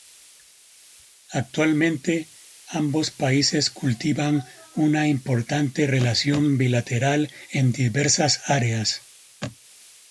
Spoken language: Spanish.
Actualmente, ambos países cultivan una importante relación bilateral en diversas áreas.